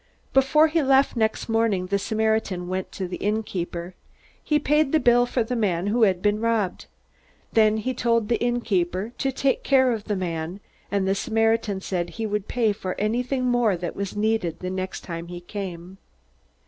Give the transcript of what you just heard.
Before he left next morning, the Samaritan went to the innkeeper. He paid the bill for the man who had been robbed. Then he told the innkeeper to take care of the man, and the Samaritan said he would pay for anything more that was needed the next time he came.